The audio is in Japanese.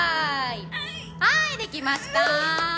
はいできました！